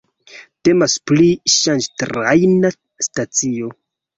Temas pri ŝanĝtrajna stacio.